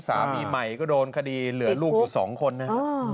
สามีใหม่ก็โดนคดีเหลือลูกอยู่๒คนนะครับ